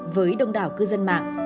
với đông đảo cư dân mạng